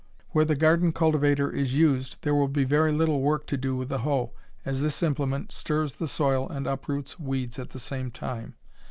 Where the garden cultivator is used there will be very little work to do with the hoe, as this implement stirs the soil and uproots weeds at the same time.